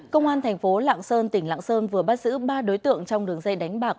công an thành phố lạng sơn tỉnh lạng sơn vừa bắt giữ ba đối tượng trong đường dây đánh bạc